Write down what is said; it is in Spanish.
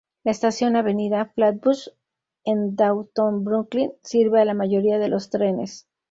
La estación Avenida Flatbush en Downtown Brooklyn sirve a la mayoría de los trenes.